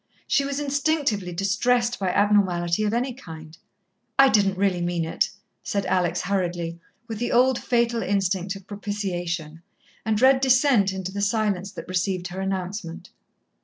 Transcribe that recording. She was instinctively distressed by abnormality of any kind. "I didn't really mean it," said Alex hurriedly, with the old fatal instinct of propitiation, and read dissent into the silence that received her announcement.